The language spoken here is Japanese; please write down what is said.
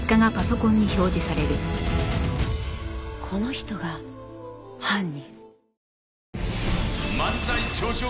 この人が犯人。